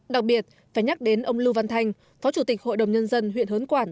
đặc biệt phải nhắc đến ông lưu văn thanh phó chủ tịch hội đồng nhân dân huyện hớn quản